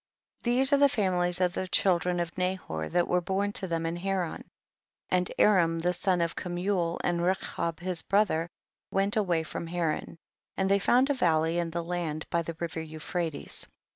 27. These are the famihes of the children of Nahor, that were born to them in Haran ; and Aram the son of Kemuel and Rechob his brother went away from Haran, and they found a valley in the land by the river Euphrates.